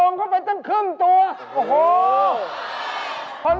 ไม่ใช่เอาไง